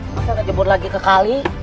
masa ngejebur lagi ke kali